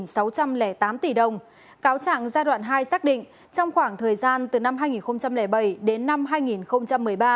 cáo trạng giai đoạn hai xác định trong khoảng thời gian từ năm hai nghìn bảy đến năm hai nghìn một mươi ba